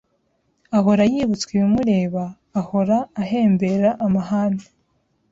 ahora yibutswa ibimureba, ahora ahembera amahane.